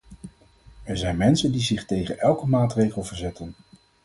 Er zijn mensen die zich tegen elke maatregel verzetten.